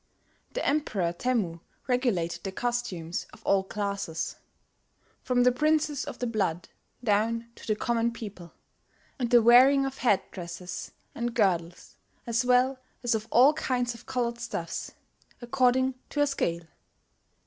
the Emperor Temmu regulated the costumes of all classes, "from the Princes of the Blood down to the common people, and the wearing of headdresses and girdles, as well as of all kinds of coloured stuffs, according to a scale."